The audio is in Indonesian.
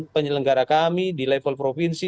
penyelenggara kami di level provinsi